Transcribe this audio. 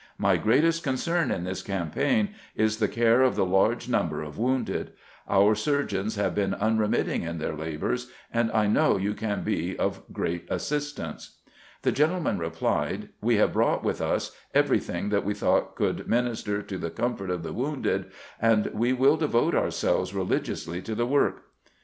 My greatest concern in this campaign is the care of the large number of wounded. Our surgeons hav& been unremitting in their labors, and I know you can be of great assistance." The gentlemen replied :" We have brought with us everything that we thought could minister to the com fort of the wounded, and we will devote ourselves re ligiously to the work."